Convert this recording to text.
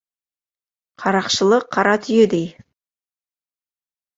Қарақшылы қара түйедей.